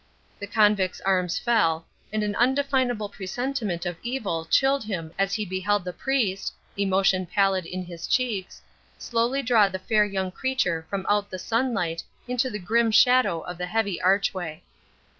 The convict's arms fell, and an undefinable presentiment of evil chilled him as he beheld the priest emotion pallid in his cheeks slowly draw the fair young creature from out the sunlight into the grim shadow of the heavy archway.